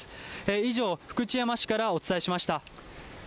以上、福知山市からお伝えしました。